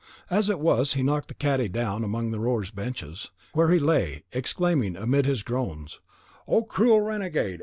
As it was, he knocked the cadi down among the rower's benches, where he lay, exclaiming amid his groans, "O cruel renegade!